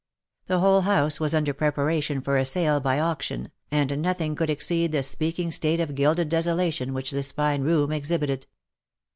The whole house was under preparation for a sale by auction, and nothing could exceed the speaking state of gilded deso lation which this fine room exhibited.